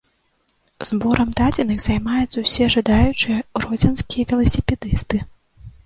Зборам дадзеных займаюцца ўсе жадаючыя гродзенскія веласіпедысты.